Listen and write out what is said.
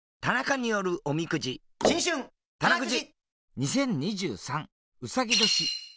２０２３うさぎ年！